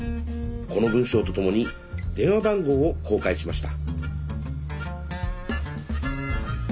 この文章とともに電話番号を公開しました。